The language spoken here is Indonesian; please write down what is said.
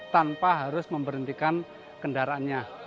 tanpa harus memberhentikan kendaraannya